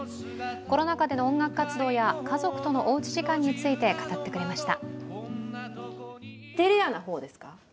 コロナ禍での音楽活動や家族とのおうち時間についても語ってくれました。